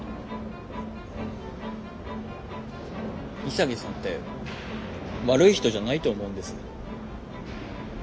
潔さんって悪い人じゃないと思うんです。